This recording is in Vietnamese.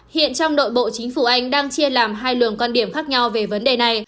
hiện trong nội bộ chính phủ anh đang chia làm hai lường quan điểm khác nhau về vấn đề này